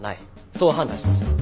そう判断しました。